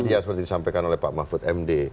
ya seperti disampaikan oleh pak mahfud md